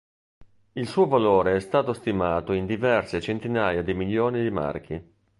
Il suo valore è stato stimato in diverse centinaia di milioni di marchi.